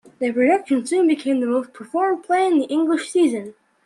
The production soon became the most performed play in the English season.